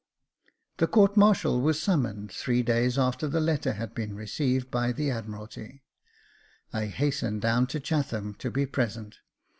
The court martial was summoned three days after the letter had been received by the Admiralty. I hastened down to Chatham to be present.